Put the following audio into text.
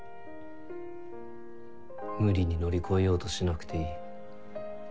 無理に乗り越えようとしなくていい。